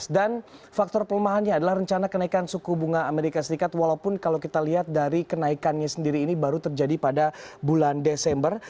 dan faktor pelemahannya adalah rencana kenaikan suku bunga amerika serikat walaupun kalau kita lihat dari kenaikannya sendiri ini baru terjadi pada bulan desember